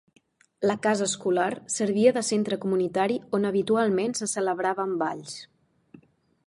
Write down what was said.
La casa escolar servia de centre comunitari on habitualment se celebraven balls.